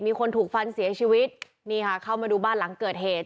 มีคนถูกฟันเสียชีวิตนี่ค่ะเข้ามาดูบ้านหลังเกิดเหตุ